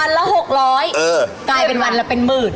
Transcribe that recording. สัตว์วันละ๖๐๐กลายเป็นวันละเป็นหมื่น